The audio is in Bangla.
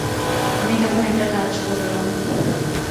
আমি তখন একটা কাজ করলাম।